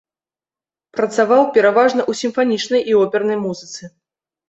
Працаваў пераважна ў сімфанічнай і опернай музыцы.